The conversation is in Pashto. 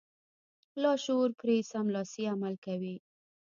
لاشعور پرې سملاسي عمل کوي.